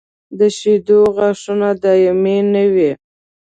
د شېدو غاښونه دایمي نه وي.